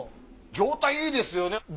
状態いいですよね